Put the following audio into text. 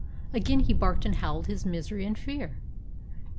Again he barked and howled his misery and fear.